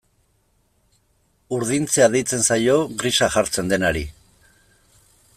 Urdintzea deitzen zaio grisa jartzen denari.